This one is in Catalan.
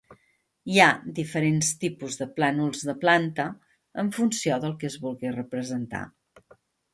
Hi ha diferents tipus de plànols de planta en funció del que es vulgui representar.